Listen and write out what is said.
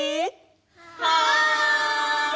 はい！